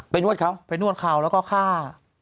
นวดเขาไปนวดเขาแล้วก็ฆ่า